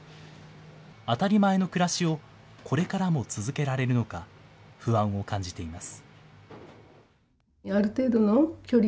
当たり前の暮らしをこれからも続けられるのか、不安を感じています。